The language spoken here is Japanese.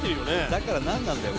だからなんなんだよ？